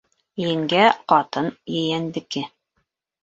Еңгә ҡатын ейәндеке.